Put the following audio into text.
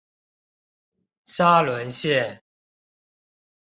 沙崙線